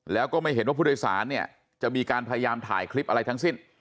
แล้วก็ไม่เห็นว่าผู้โดยสารเนี่ยจะมีการพยายามถ่ายคลิปอะไรทั้งสิ้น